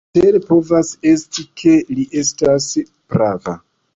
Cetere povas esti, ke li estas prava.